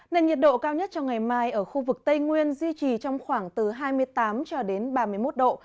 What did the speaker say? nền nhiệt độ cao nhất trong ngày mai ở khu vực tây nguyên duy trì trong khoảng từ hai mươi tám cho đến ba mươi một độ